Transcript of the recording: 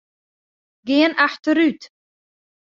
Gean achterút.